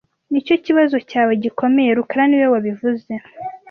Nicyo kibazo cyawe gikomeye rukara niwe wabivuze